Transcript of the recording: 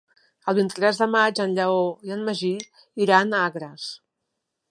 El vint-i-tres de maig en Lleó i en Magí iran a Agres.